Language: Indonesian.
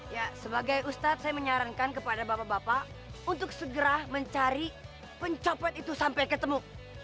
ya sebagai ustadz saya menyarankan kepada bapak bapak untuk segera mencari pencopot itu sampai ketemu